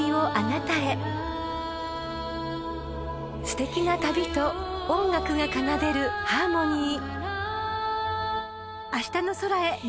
［すてきな旅と音楽が奏でるハーモニー］